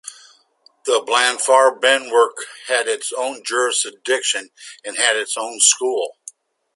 The Blaufarbenwerk had its own jurisdiction and had its own school.